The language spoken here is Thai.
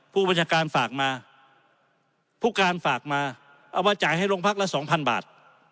ผู้บัญชาการฝากมาผู้การฝากมาเอามาจ่ายให้โรงพักละสองพันบาท